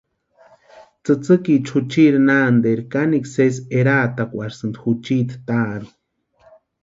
Tsïtsïkiecha juchiti nanteri kanekwa sésï eraatakwarhisïnti juchiti taarhu.